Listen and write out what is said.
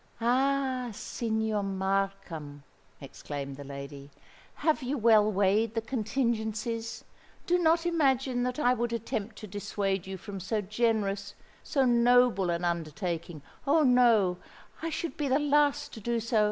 "Ah! Signor Markham," exclaimed the lady; "have you well weighed the contingencies? Do not imagine that I would attempt to dissuade you from so generous,—so noble an undertaking!—Oh! no,—I should be the last to do so.